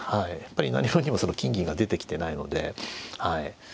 やっぱり何ようにもその金銀が出てきてないので。